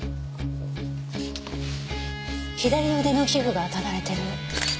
左腕の皮膚がただれてる。